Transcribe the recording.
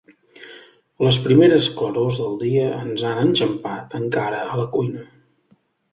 Les primeres clarors del dia ens han enxampat encara a la cuina.